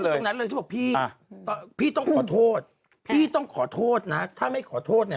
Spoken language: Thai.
ตรงนั้นเลยเขาบอกพี่พี่ต้องขอโทษพี่ต้องขอโทษนะถ้าไม่ขอโทษเนี่ย